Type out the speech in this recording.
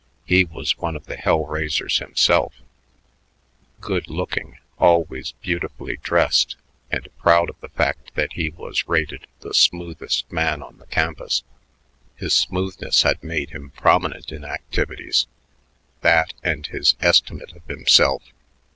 He was one of the "hell raisers" himself, good looking; always beautifully dressed, and proud of the fact that he was "rated the smoothest man on the campus." His "smoothness" had made him prominent in activities that and his estimate of himself.